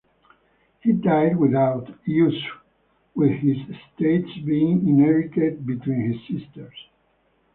He died without issue with his estates being inherited between his sisters.